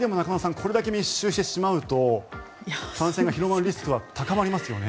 これだけ密集してしまうと感染が広がるリスクは高まりますよね。